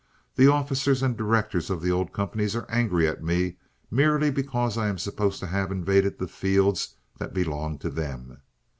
The officers and directors of the old companies are angry at me merely because I am supposed to have invaded the fields that belong to them.